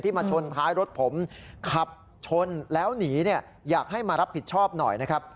มาชนท้ายรถผมขับชนแล้วหนีเนี่ยอยากให้มารับผิดชอบหน่อยนะครับ